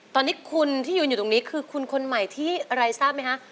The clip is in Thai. ตอนนี้คุณที่ยืนอยู่ตรงนี้คือคุณคนใหม่ที่อะไรทราบไหมคะ